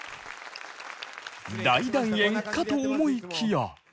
大団円かと思いきや。